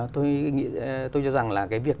tôi nghĩ tôi cho rằng là cái việc